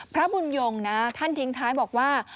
พระบุญยงนะท่านทิ้งท้ายบอกว่า